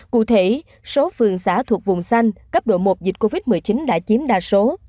cụ thể số phường xã thuộc vùng xanh cấp độ một dịch covid một mươi chín đã chiếm đa số